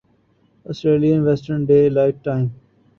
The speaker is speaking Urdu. Australian western daylight time